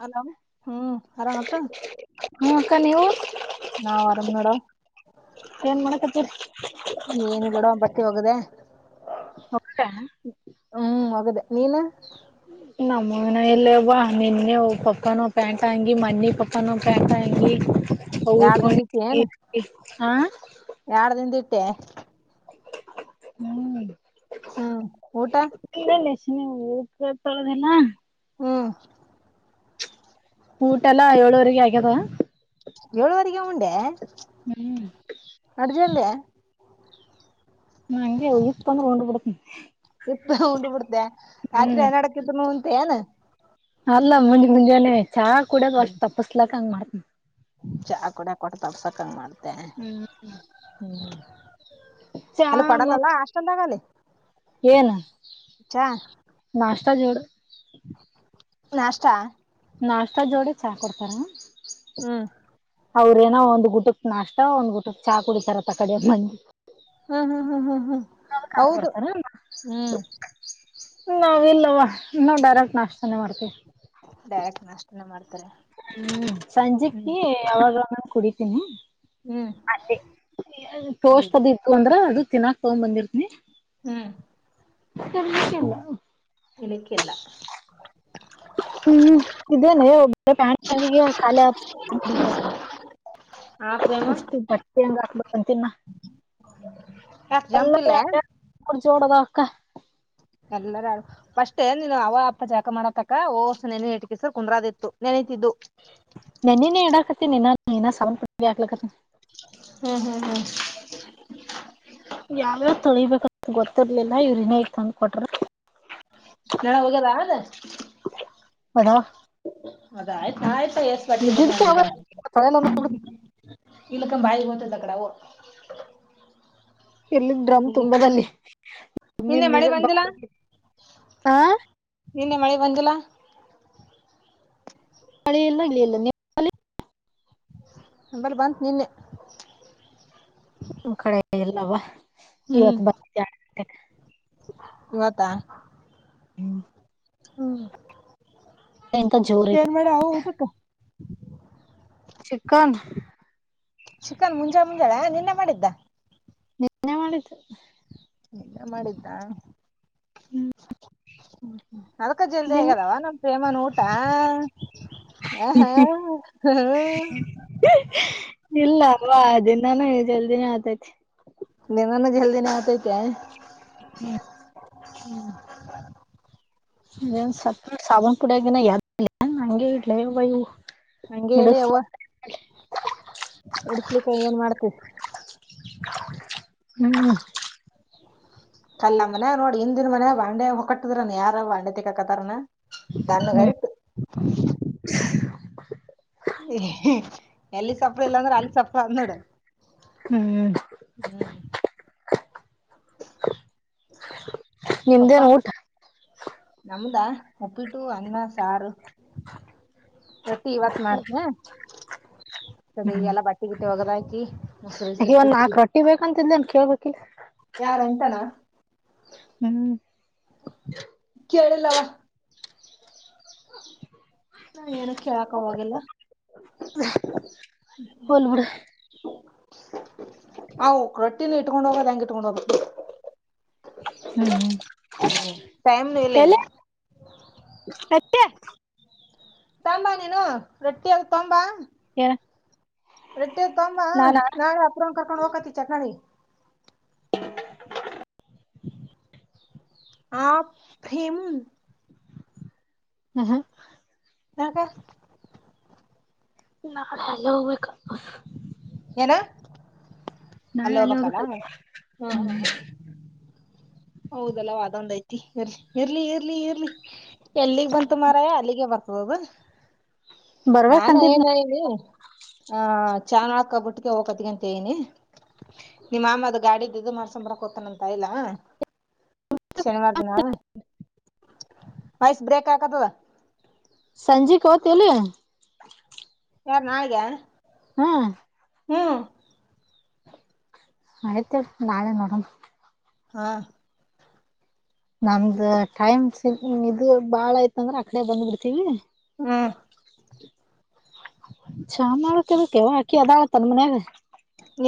Hello ಹ್ಮ್ ಆರಾಮ ಹತ್ ಹ್ಮ ಅಕ್ಕ ನೀವು ನಾವ್ ಅರಾಮ್ ಮ್ಯಾಡಮ್ ಏನ್ ಮಾಡಕತರಿ [unintelligible] ಏನ ಬೋಡುವ ಬಟ್ಟೆ ಹೋಗದೆ ಹೋಗ್ತ ಹ್ಮ್ ಹೋಗದೆ ನೀನು ಹ್ಮ ನಮ್ಮ ಮನೆಯಲ್ಲಿ [unintelligible] ಒಬ್ಬ ನಿನ್ನೆ ಒ ಪಕ್ಕನೋ ಪ್ಯಾಂಟ್ ಹಂಗಿ ಮನಿ ಪಕ್ಕನೋ ಪ್ಯಾಂಟ್ ಹಂಗಿ ಯಾಡ್ ಹೌದು ದಿಂದ್ [unintelligible] [inaudible] ಒ ಹಾ ಯಾರ್ ದಿಂದ ಇಟ್ಟೆ ಹ್ಮ್ ಹ್ಮ್ ಊಟ? ಿನ ತಳದಲ್ಲ [unintelligible] ಹ್ಮ್ ಊಟ ಎಲ್ಲಾ ಏಳುವರೆಗೆ ಆಗ್ಯದ. ಏಳುವರೆಗೆ ಉಂಡೆಯಾ? ಹ್ಮ್ ಅರ್ಜು ಯಾಲ್ಯ ಅನಂಗೆ ಹೋಪ್ ಅಂದ್ರ ಓಡಿ ಬಿಡ್ತೀನಿ ಿಸತ ಉಂಡ್ ಬಿಡ್ತೆ ರಾತ್ರಿ ಹ್ಮ್ ಅನಾ [unintelligible] ಡಕತ್ನು ಅಂತೆ ಏನ್ ಅಲ್ಲ ಮುಂಜೆ ಮುಂಜಾನೆ ಚಾ ಕೂಡಕ್ ಅಷ್ಟ ತಪಸ್ಲಕ್ ಹಂಗ ಮಾಡತಿನಿ ಚಹ ಕೂಡ ಕೊಟ್ಟು ತಪಸಾಕ್ ಅಂಗ್ ಮಾಡ್ತೆಯಾ ಹ್ಮ್ ಹ್ಮ ಚಾ ಅಲ್ಲಿ ಕೊಡೈಲ್ಲಾ ಅಲ್ಲಾ ಮತ್ ಅಲ್ಲಿ ಹಾಸ್ಟೆಲ್ ದಾಗ ಏನ್ ನಾಷ್ಠ ಜೋಡು ನಾಷ್ಠ ನಾಷ್ಠ ಜೋಡೆ ಚಾ ಕೊಡ್ತಾರ. ಹ್ಮ್ ಅವ್ರ ಏನೋ ಒಂದ್ ಗುಟುಕ್ ನಾಷ್ಟ ಒಂದ್ ಗುಟಕ್ ಚಾ ಕುಡಿತಾರ ತ ಕಡಿಯ ಬಿ ಹ ಹಾ ಹ ಹಾ ನ ಕಾಣ ಕೊಡ್ತಾರ [inaudible] ನಾವ್ ಇಲ್ಲವಾ ನಾವ್ ಡೈರೆಕ್ಟ್ ನಾಷ್ಠನೆ ಮಾಡ್ತೀವಿ.. ಡೈರೆಕ್ಟ್ ನಾಷ್ಟನೇ ಮಾಡ್ತಾರೆ ಹ್ಮ್ ಸಂಜೆಯಾಕ್ ಹ್ಮ್ ಟೀ ಯಾವಾಗನ ಕುಡಿತೀನಿ. ಹ್ಮ್ ಅ ಅಲ್ಲ ತೋಸ್ದ ಇತ್ತು ಅಂದ್ರ ಅದು ತಿನ್ನಾಕ್ ತಗ್ ಬಂದಿರ್ತನಿ [unintelligible] ಹ್ಮ್ ತರ್ಲಿಕ್ಕೆಲ್ಲ [inaudible] ನಲಕ್ಕೆಲ್ಲ [unintelligible] ಹ್ಮ್ ಇದೇಲ್ಲ ಒ ಖಾಲಿ [unintelligible] ಡಿತ ಹಾ ಪ್ರೇಮ ಪಸ್ ಬತ್ತೆ ಹಾಕ್ಬೇಕಂತ ನ [inaudible] ಅಷ್ಟು ಜಂಪಿಹಿಲೇ ನಡ ಜೋಡದವ್ ಅ ಕ್ಕ ಎಲ್ಲರ ಆಡು ಫಸ್ೇ ನೀನು ಅವ ಅಪ್ಪ ಜಾಕ ಮಾಡತಕ್ಕ ಓವಸ ನೆನ ಇಟಿಕಿಸರ್ ಕುಂಡ್ರದಿತ್ತು ನೆನತಿದ್ದು [unintelligible] ನೆನ್ನಏಡಾಕತ್ತ ಸ ಹಕ್ಲಕತ್ತ [unintelligible] ಹ್ಮ್ ಹ್ಮ್ ಹ್ಮ್ ಯಾವ್ಯಾವ್ ತೊಳಿಬೇಕಂತ ಗೊತ್ತಿರ್ಲಿಲ್ಲ ಇವ್ ರ್ ಇನ್ ಈಗ್ ತಂದ ಕೊಟ್ರ ನಣ ಹೋಗದ ಅದ [inaudible] ಹಣ [unintelligible] ಅದ ಆಯ್ತು ನಾಯ್ತ ಇದ್ದಿದ್ದಕ್ಕೆ ಯಾವ ಸ್ಪಟ್ಟ ತೊಳೆಯಲ್ಲ ಹ [unintelligible] ಇಲಕಂ ಬಾಯಬತದೆ ಅ ಕಡ ಓ [unintelligible] ಇರ್ಲಿ ಡ್ರಮ್ ತುಂಬಲ್ಲಿ [unintelligible] ನಿನ್ನೆ ನೀ ಮಳಿ ಬಂದಿಲ್ಲ ಹಾ ನಿನ್ನೇ ಮಳೆ ಬಂದಿಲ್ಲಾ? ಮಳೆಲ್ಲ ಇಳಿಯಲ್ಲ ನೀ ನಮ್ಮಲ್ಲಿ ಬಂತ್ ನಿನ್ನೆ ನಿ್ ಕಡೆ ಇಲ್ಲವಾ ಹ್ಮ್ ಇವತ್ ಬ [unintelligible] ಇವತ್ತಾ [unintelligible] ಹುಂ ಎಂತಾ ಜೋರ ಆಐತ ಮಡಾ ಅವು ಹೋಗತ್ ಚಿಕ್ಕನ್ ಚಿಕನ್ ಮುಂಜಾನೆ ಮುಂಜಳೆ ಎನ್ ನಿನ್ನೆ ಮಾಡಿದ್ದ ನಿನ್ನೆ ಮಾಡಿದ್ದ ನೀನ್ನ ಮಾಡಿದ್ದಾ ಹುಂ ಹ್ಮ ಅದಕ್ಕೆ ಜಲ್ದಿ ಆಗೆದಾವ ನಮ್ ಪ್ರೇಮಾನ ಊಟಾ ಆ ಹಾ ಹ್ ಇಲ್ಲ ಅಲ್ವಾ ದಿನಾನೂ ಜಲ್ದಿನೇ ಆತೈತಿ. ದಿನಾನು ಜಲ್ದಿನೇ ಆತೈತಾ ಹುಂ [unintelligible] ಇದನ್ ಸತ್ತ ಸಾಬನ್ ಪುಡಾಗಿನ ಎದ್ಲಾ ಹಂಗೆ ಇಡ್ಲಾ ಯವ್ವಾ ಇಯು ಹಂಗೆ ಇಡ ಅವ್ವ ಹಿಡಸ್ಲಿಕ್ಕೆ ಏನ್ ಮಾಡ್ತದಿ ಹುಂ ಕಲ್ಲೇ ನಮ್ಮಮನ್ಯಾಗ ನೋಡ ಹಿಂದಿನ ಮನ್ಯಾಗ ಬಾಂಡೆ ಹೊಕಟ್ಟಿದ್ರ ಯಾರ ಬಾಂಡೆ ತಿಕ್ಕಾಕತಾರೇನ್ ತನಗರಿತ್ [inaudible] ಎಲ್ಲಿ ಸಪ್ಪಳ ಇಲ್ಲಾ ಅಂದ್ರೆ ಅಲ್ಲಿ ಸಪ್ಪಳ ಅದ್ ನೋಡ ಹುಂ ಪಪ್ಪಾ ನಮ್ದಾ ಉಪ್ಪಿಟ್ಟು ಅನ್ನ ಸಾರು. ರೊಟ್ಟಿ ಇವತ್ ಮಾಡ್ತನ ಅದ ಈ ಎಲ್ಲಾ ಬಟ್ಟಿ ಗಿಟ್ಟಿ ಒಗದಾಕಿ ಮೊಸರು ಗಿಸರು ಇವ ತಿಕ್ಕಿ ನಾಕ್ ರೊಟ್ಟಿ ಬೇಕಂತಿಂದೇನ್ ಕೇಳ್ ಬೇಕಿಲ್ಲ ಯಾರ ಅನಿತಾ ನಾ ಹುಂ [inaudible] ಕೇಳಿಲ್ಲವಾ [inaudible] ನಾ ಏನು ಕೇಳಾಕ ಹೋಗಾಗಿಲ್ಲಾ ಹೋಲ್ ಬಿಡು ಅವು ಕಟ್ಟಿನ ಇಟ್ಕೊಂಡ ಹೋಗೋದ ಹೆಂಗ ಇಟ್ಕೊಂಡ್ ಹೋಗೋದ ಹುಂ ಹುಂ ಹುಂ ಟೈಮನು ಇಲ್ಲ ಈಗ [unintelligible] ತಂಬಾ ನೀನು ರೊಟ್ಟಿದು ತೋಬಾ ಎನ್ ರೋಟ್ಟಿ ಅದು ತೋಬಾ ನಾಳೆ ಅಪ್ರ್ ಕರ್ಕೊಂಡ್ ಹೋಗಕತಿ ಚಟ್ಟನಳ್ಳಿಗಿ ಆ ಫ್ರಿಂ ಹ ಹಾ [unintelligible] ನಾಳೆ ಅಲ್ಲಿ ಹೋಗಬೇಕ. ಏನು ಅಲ್ಲಿ ಹೋಗ ಬೇಕನ್ ಹ್ ಹ್ ಹುಂ ಹೌದಲ್ವಾ ಅದೊಂದ್ ಐತಿ ಇರ್ಲಿ ಇರ್ಲಿ ಇರ್ಲಿ ಇರ್ಲಿ ಎಲ್ಲಿಗ್ ಬಂತು ಮಾರಾಯಾ ಅಲ್ಲಿಗೆ ಬರ್ತದೋದು ನಾನ ಏನ ಬರ್ಬೇಕಂತಿದ್ನ ಇಲ್ಲಿ ಹಾ ಚಾ ಕಬಿಟ್ಟಕ ಹೋಗ್ತಾಯಿತ್ರಿ ಅಂತ ಹೇಳಿ ನಿ ನಿಮ್ಮ ಮಾಮ್ಮ ಅದು ಗಾಡಿದ್ದಿ ಇದ್ದು ಮಾಡಿಸ್ಕೊಂಡ್ ಬರಾಕ್ ಹೋತಾನಂತ ಆಯಿಲ್ಲಾ ಶನಿವಾರ ದಿನ ವಾಯ್ಸ್ ಬ್ರೇಕ್ ಆಗಕತದ ಸಂಜೆಕ ಹೋತಿಲ್ಲ ಯಾರ ನಾಳಿಗಾ ಹುಂ ಹುಂ ಆಯ್ತಳ ನಾಳೆ ನೋಡು ಮು ಹಾ ನಮ್ದ ಟೈಮ್ ಇದು ಬಾಳ ಐತಂದ್ರೆ ಆಕಡೆ ಬಂದ್ ಬಿಡ್ತೀವಿ ಹ್ ಚಾ ಮಾಡಕತಿವೋ ಅಕಿ ಅದಾಳತ್ತನ್ ಮನ್ಯಾಗ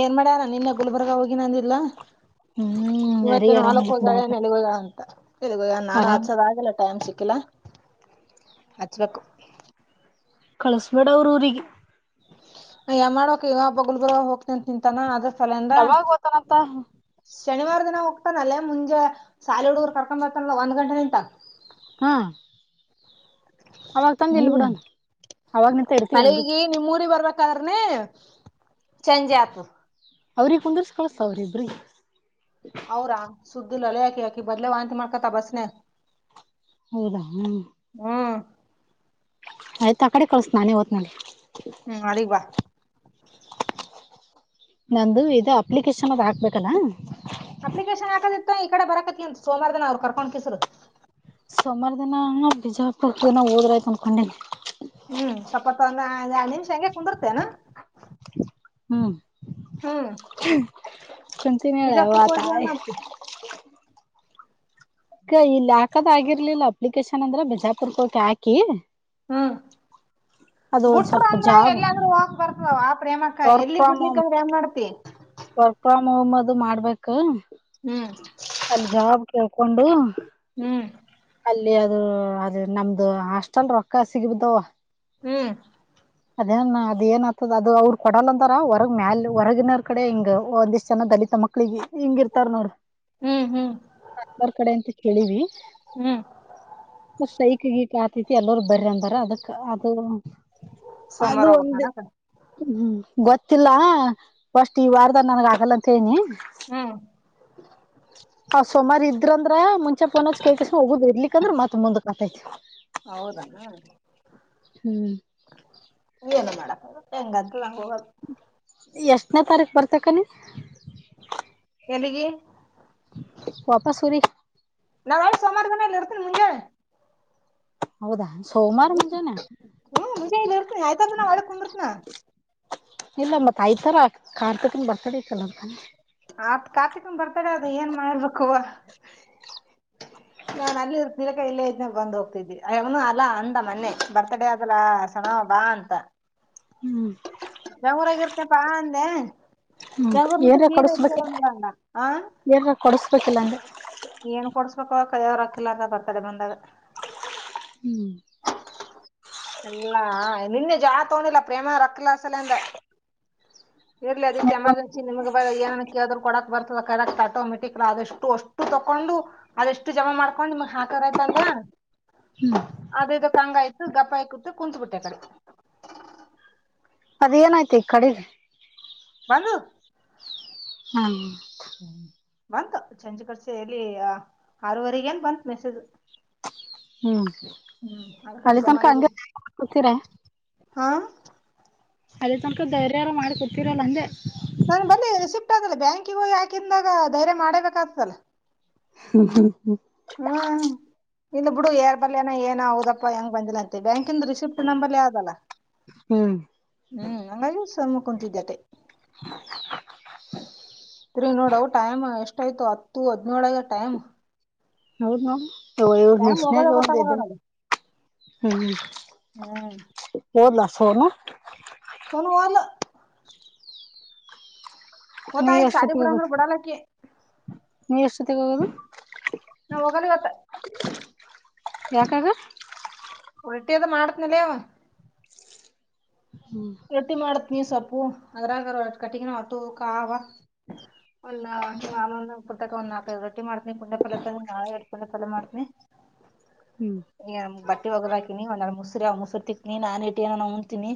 ಏನ್ ಮಾಡ್ಯಾರ ನಿನ್ನೆ ಗುಲ್ಬರ್ಗಾ ಹೋಗಿನಂದಿಲ್ಲಾ ಹ್ಮ್ ಇವತ್ತ ಯಾರಿಗ್ ಎನ್ ಹೋಲ್ಕ್ ಆರಾಮಿಲ್ಲಕ್ ಬಾಳ್ ಹೋಗಾಳೆನ್ ಎಲೆಗ್ ಹೋಗಾಳನ ಇಗ ನಾನು ಆರಾಮ್ ಹಚ್ಚೋದ ಆಗಿಲ್ಲ ಟೈಮ್ ಸಿಕ್ಕಿಲ್ಲಾ ಹಚ್ಚಬೇಕು ಕಳಸ್ಬೇಡ ಅವ್ರ ಊರಿಗೆ ಯ ಮಾಡ್ಬೇಕ್ ಇಗ ಬಗಲ್ ಬವ ಹೋಗ್ತನ್ ತಿಂತಾನ ಅದ್ರಸಲಿಂದ ಯಾವಾಗ ಓತಾನಂತ ಶನಿವಾರ ದಿನ ಹೋಗ್ತಾನಲ್ಲೇ ಮುಂಜೆ ಸಾಲಿ ಹುಡುಗರು ಕರ್ಕೊಂಡ್ ಬರ್ತಾನ ಒಂದ್ ಗಂಟೆ ನಿಂತ- ಹಾ ಅವಾಗ ತಂದ ಇಲ್ ಹುಂ ಬಿಡೋಣ ಅವಾಗನಿಂತ ಇರ್ತೀವಿ ಹಂಗ ಮಳಿಗಿ ನಿಮ್ಮೂರಿ ಬರ್ಬೇಕ ಬರಬೇಕಾದರೆ ಚೇಂಜಆಗ್ತಾದೆ ಅವ್ರಿಗೆ ಕುಂದರ್ಸ ಕಳಸ ಅವ್ರಿಬ್ರಿಗೆ ಅವರಾ ಸುದ್ದಿಲ್ಲಲೇ ಆಕಿ ಯಾಕಿ ಮೊದ್ಲೇ ವಾಂತಿ ಮಾಡ್ಕತ ಬಸ್ ನಾಗ ಹೌದಾ ಹುಂ ಆಯ್ತ ಆ ಕಡೆ ಕಳಸ ನಾನೇ ಹೋತನಲ್ಲಿ ಹುಂ ನಾಳಿಗ ಬಾ ನಂದು ಇದು ಅಪ್ಲಿಕೇಶನ್ ಅದು ಹಾಕ್ ಬೇಕಲ್ಲಾ ಅಪ್ಲಿಕೇಶನ್ ಹಾಕದಿತ್ತು ಈ ಕಡೆ ಬರಕತಿ ಅಂತ ಸೋಮಾರ ದನ್ರು ಕಕೊಂಡ ಕಸರು ಸೊಮಾರ ದಿನ ಬಿಜಾಪುರಕನ ಹೋದ್ರಾಯ್ತ ಅಂದ್ಕೊಂಡಿನಿ ಹ್ಮ್ ಸ್ವಪಹೊತ ಒಂದು ಎರಡ ನಿಮಿಷ ಹಂಗೆ ಕುಂದಿರ್ತೇನು ಹ್ಮ ಹುಂ ಕುಂತಿ ನಳಾ ತಾಯಿ ಮಾಡ್ತಿ ಇಲ್ಲಿ ಹಾಕದಗಾಗಿರ್ಲಿಲ್ಲ ಅಪ್ಲಿಕೇಶನ್ ಅಂದ್ರೆ ಬಿಜಾಪುರ ಹೋಗಿ ಹಾಕಿ ಹುಂ ಅದು ಒಂದ್ ಬಿಟ್ರ ಸ್ವಲ್ಪ ಅಂದ್ರ ಜಾಬ್ ಎಲ್ಲಾದ್ರೂ ಹೋಗ ಬರ್ತವ ವಾ ಪ್ರೇಮಕ್ಕಾ ವರ್ಕ್ ಎಲ್ಲಿ ಫ್ರಮ್ ಹೋಮ್ ಬಿಡ್ಲಿಕ್ಕಂದ್ರೆ ಏನ್ ಮಾಡ್ತಿ ವರ್ಕ್ ಫ್ರಾಮ್ ಹೋಮ್ ಅದು ಮಾಡ್ಬೇಕ ಹುಂ ಅಲ್ಲಿ ಜಾಬ್ ಕೇಳ್ಕೊಂಡು. ಹುಂ ಅಲ್ಲಿ ಅದು ಅದು ನಮ್ದು ಹಾಸ್ಟೆಲ್ ರೊಕ್ಕ ಸಿಗಿಬಿದವ ಹ್ಮ್ ಅದೇನ್ ಅದ ಏನ್ ಆತದ ಅದು ಅವ್ರ ಕೊಡಲ್ಲ ಅಂತಾರ ಹೊರಗ್ ಮ್ಯಾಲ ಹೊರಗಿನವರ ಕಡೆ ಹಿಂಗ್ ಒಂದಿಷ್ಟ್ ಜನ ದಲಿತ ತಾ ಮಕ್ಳಿಗೆ ಹಿಂಗ ಇರ್ತಾರ ನೋಡ್ರ ಹ್ಮ್ ಹ್ಮ್ ಅಂತ್ರ ಕಡೆ ಇಂದ ಕೇಳಿವಿ ಹ್ಮ್ ಸ್ಟ್ರೈಕ್ ಗಿಕ್ ಅತಿತ್ತು ಎಲ್ಲರು ಬರೀ ಅಂದಾರ ಅದಕ್ ಅದು ಸೋಮವಾರ ಅದು ಒಂದು ಹೋಗ್ಬೇಕನಕ ಹ್ಮ್ ಗೊತ್ತಿಲ್ಲ ಫಸ್ಟ್ ಈ ವಾರದ ನನ್ಗ್ ಆಗಲ್ಲ ಅಂತ ಹೇಳಿನಿ ಹ್ಮ್ ಅವ್ ಸೋಮಾರ ಇದ್ರಂದ್ರ ಮುಂಚೆ ಪೋನ್ ಕೈ ಕಸ ಹೋಗದ್ ಇರ್ಲಿಕ್ ಅಂದ್ರ ಮತ್ ಮುಂದ್ ಕತೈತಿ ಹೌದ... ಹ್ಮ್ ಏನು ಮಾಡಕಗಾಲ ಹೆಂಗಂತ ನಂಗ ಹೋಗದ್ ಎಷ್ಟನೇ ತಾರೀಕ್ ಬರ್ತಿಕ್ಕ ನೀನ್ ಎಲ್ಲಿಗಿ ವಾಪಸ್ ಊರಿ ನಾ ಸೋಮವಾರ ದಿನ್ ಇರ್ತನ್ ಮುಂಜೆ ಹೌದಾ ಸೋಮವಾರ ಹ್ಮ್ ಮುಂಜೆನೇ ಹ್ಮ್ ಮುಂಜಾನೆ ಇಲ್ಲಿ ಇರ್ತೀನಿ ಆಯ್ತಾದ ನಾ ಹೊಳ್ ಕುಂದಿರ್ತನ ಇಲ್ಲ ಮತ್ತತ್ [unintelligible] ಐ್ತರ ಕಾರ್ತಕನ್ ಬರ್ತಡೆ ಇಕ್ಕಲ್ಲಕಾನ ಆತ್ ಕಾರ್ತಿಕನ್ ಬರ್ತಾಡೇ ಅದ ಏನ್ ಮಾಡರ್ಬೇಕುವ [unintelligible] ನಾನ್ ಅಲ್ಲಿ ತಿಲಕ ಇಲ್ಲೇ ಇದನ ಬಂದ್ ಹೋಗ್ತಿದ್ವಿ ಅವನು ಅಲ್ಲಾ ಅಂದ ಮನ್ನೆ ಬರ್ತ್ಡೇ ಆದದಲ್ಲ ಹಡಾ ಬಾ ಅಂತ ಹ್ಮ್ ಯಾವ್ ಊರಾಗ್ ಇರ್ತೀಯಪ್ಪ ಅಂದೆ ಹ್ಮ್ ಬೆಂಗಳೂರು ಇಂದ ಸಿದ್ದ ಇಲ್ಲಿಗೆ ಬರ್ತಿನಿ ಬಾ ಅಂದ ಏನ ಕೊಡಿಸಸ್ಬೇಕಿಲ್ಲ ನೀ ಏನ್ ಕೊಡ್ಸ್ಬೇಕ ಅವ ಕದ ಅವರು ಹಾಕಿಲ್ಲ ಅಂತ ಬ ಕದ ಬಂದಾಗ [unintelligible] ಹ್ಮ್ ಎಲ್ಲಾ ನಿನ್ನೆ ಜೋಳ ತಗೊಂಡಿಲ್ಲ ಪ್ರೇಮ ರಕ್ಕಲ ಸಲ ಅಂದ ಇರ್ಲಿ ಅದಕ್ಕೆ ಎಮರ್ಜನ್ಸಿ ನಿಮ್ಗೆ ಏನಕ್ಕೆ್ರರು ಕೊಡಕ್ ಬರ್ತದ ಕಕ್ ಆಟೋಮೆಟಿಕ್ ಅಷ್ಟು ಅಷ್ಟು ತಕೊಂಡು [unintelligible] ಅದೆಷ್ಟು ಜಮಾ ಮಾಡ್ಕೊಂಡು ನಿಮಗ್ ಹಾಕಾರ ಆಯ್ತ ಅಂದ ಹ್ಮ್ ಅದೇದು ಕಂಗ ಆಯ್ತು ಗಪ್ಪಾಯ ಕೂತು ಕುಂತ್ ಬಿಟ್ಟೆ ಕಡೆ ಅದ ಏನಾಯ್ತಿ ಈ ಕಡೆ ಬಂದು ಹ್ಮ ಹ್ಮ ಬಂತು ಚಂಚ ಕಡ್ಸ ಎಲ್ಲಿ ಆರವರೆಗ ಏನ್ ಬಂತ ಮೆಸೇಜ್ [unintelligible] ಹ [inaudible] ಹ್ಮ್ ಹ್ಮ್ ಅದಕ ಅಲ್ಲಿ ಜಮಾ ತನಕ ಆಗಿದೆ. ಅಂಗ [inaudible] ಕೊತೀರ ಹಾ ಅದೇ ತನಕ ಧೈರ್ಯಾರ ಮಾಡ್ಕೊತಿರಲ್ಲ ಅಂದೆ. ನನ್ ಬಂದಿ ರಿಸಿಪ್ಟ್ ಅದೇಲ್ಲ ಬ್ಯಾಂಕಿಗ ಯಾಕಂದಾಗ ಧೈರ್ಯ ಮಾಡೇಬೇಕ ಆತಲ್ಲ ಹ್ಮ ಹ್ಮ ಹ್ಮ ಇಲ್ಲಿ ಬಿಡು ಯಾರ್ ಬರ್ಯನ ಏನ ಹೌದಪ್ಪ ಹೆಂಗ ಬಂದಿಲ್ಲ ಅಂತೆ ಬ್ಯಾಂಕಂದ ರಿಸಿಪ್ಟ್ ನಂಬರ್ಲ್ ಯಾವ್ದಲ್ಲ ಹ್ಮ್ ಹ್ಮ್ ಹಂಗಾಗಿ ಸುಮ್ನೆ ಕುಂತಿದ್ಯಾತ್ತೆ [inaudible] [unintelligible] ನೋಡವು ಟೈಮ್ ಎಷ್ಟಾಯಯ್ತು ಹತ್ತು ಹದಿನೇಳು ಆಗ್ಯಾದ ಟೈಮ್ ಹ [unintelligible] [unintelligible] ಇವ್ರ ಟೈಮ್ ಹೋಗೋದ ನಿಶನೆಗ ಒಂದ ಗೊತ್ತಾಗಲ್ಲ [unintelligible] ನೋಡ ಹ್ಮ್ ಹ್ಮ್ ಹೋದ್ಲ ಸೋನು ಸೋನು ಹೋದ್ಲು ನೀ ಗೊತ್ತಾಯ್ ಸಾಲಿ ಬಿಡಂದ್ರ ಎಷ್ಟತಿಗೋಗೋದು ಬಿಡಲಕ್ಕಿ ನೀ ಎಷ್ಟತಿಗೋಗೋದು ನಾ್ ಹೋಗಲ್ ಇವತ್ತು ಯಾಕಾದು ರೊಟ್ಟಿ ಅದ ಮಾಡತ್ನನೀಲವ್ವ ಹ್ಮ್ ರೊಟ್ಟಿ ಮಾಡತ್ ನೀ ಸೊಪ್ಪು ಅದ್ರಾಗ ಕಟ್ಟಗನ ಹೊತ್ತು ಕಾ ಒಂದ [unintelligible] ಕುಟ್ಟಕ ಒಂದ ನಾಲ್ಪೈ ಟ್ಟ ಮಾಡ್ತನಿ ಕುಂಡಫಲ ತಲ್ಲ ನಾಳೆ ಕುಂಡ ಫಲ ಮಾಡ್ತನಿ ಹ್ಮ್ ಈ ಬಟ್ಟೆ ಹೋಗದಾಕಿನಿ ಒಂದ ಎರಡ್ ಮುಸ್ರೇ ಅವ ಮುಸ್ರೆ ತಿಕ್ನಿ ನಾನ [unintelligible] ಏನಾನಾ ಉಣ್ಣ್ತಿನಿ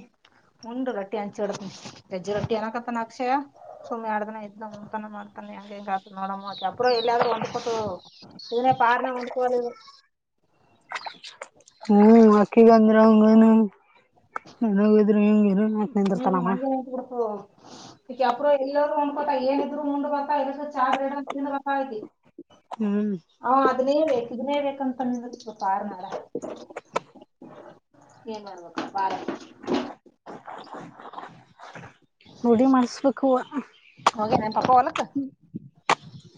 ಉಂಡ್ ರಟ್ಟಿ ಹಂಚಿಡತ ಜಜ್ಜ ರೊಟ್ಟಿ ಅನಕತ್ತನ್ ಅಕ್ಷಯ ಸುಮ್ಮ್ ಎರಡದಿನ ಇದ್ದನ [unintelligible] ಮಾಡ್ತಾನ ಹೆಂಗ ಹೆಂಗತ ನೋಡಮಾ [unintelligible] ಎಲ್ಲಾದ್ರು ಒಂದ್ಬಟ್ಟು ಇದ್ರೆ ಪಾರ್ನೆ ಉಂದ್ಕೋ [unintelligible] ಹೂ ಅಕಿಗಂದ್ರ [unintelligible] [unintelligible] ಹ್ಮ್ ಹಂಗೇನಂತ ಬುಡಕ್ಕ ಈಕ್ಕೆ ಅಪ್ರ ಎಲ್ಲರು ಅನ್ಕೋತರ ಏನಿದ್ರು ಉಂಡ್ ಬರ್ತಾಳಾ ಚಾ [unintelligible] [unintelligible] ಹ್ಮ್ ಹ ಅದನ್ನೇ ಹೇಳ್ದೆ ಬೇಕ್ [unintelligible] [unintelligible] ಬೇಕಂತನ್ ಪಾರ್ ನಡ ಏನ್ ಮಾಡ್ಬೇಕು ಬ ರುಡಿ ಮಾಡಿಸ್ಬೇಕು ಅವ್ವ ಹೋಗೆನನ್ ಪಕ್ಕ ಹೊಲಕ್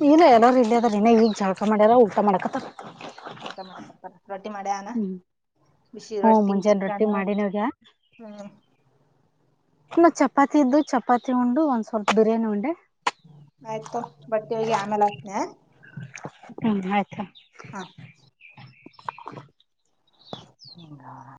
ಇಲ್ಲ ಎಲ್ಲರು ಇಲ್ಲೆ ಅದರ ಇನ ಈಗ್ ಜಾಳಕ ಮಾಡ್ಯಾರ ಊಟಾ ಮಾಡಕರ್ತರ ಊಟ ಮಾಡಕತ್ಯನ ರೊಟ್ಟಿ ಮಾಡ್ಯನಾ ಹ್ಮ್ ಬಿಸಿ ಹ್ಮ ರೊಟ್ಟಿ ಮುಂಜಾನೆ ರೊಟ್ಟಿ ಚಿಕನ್ ಮಾಡಿನ ಹೋಗ್ಯ ಹ್ಮ ಇನ್ನು ಚಪಾತಿ ಇದ್ದು ಚಪಾತಿ ಉಂಡು ಒಂದ್ ಸ್ವಲ್ಪ ಬಿರಿಯಾನಿ ಉಂಡೆ ಆಯ್ತು ತೊ ಬಟ್ಟಿ ಹೋಗಿ ಆಮೇಲೆ ಆಕ್ತಿನಿ ಯಾ ಹ್ಮ್ ಆಯ್ತಾ ಹಾ ಹಂಗ [unintelligible]